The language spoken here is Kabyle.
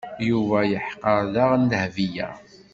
Yuba yeḥqer daɣen Dahbiya.